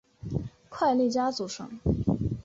快利佳组成。